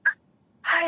はい。